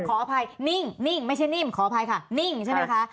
ขออภัยนิ่งนิ่งไม่ใช่นิ่มขออภัยค่ะนิ่งใช่ไหมคะ